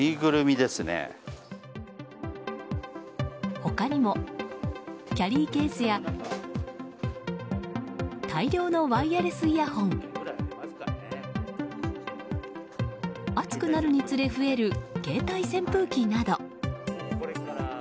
他にもキャリーケースや大量のワイヤレスイヤホン暑くなるにつれ増える携帯扇風機など。